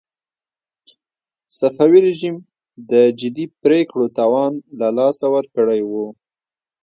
صفوي رژيم د جدي پرېکړو توان له لاسه ورکړی و.